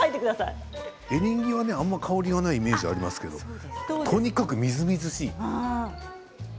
エリンギは香りがないイメージですけれどもとにかくみずみずしい。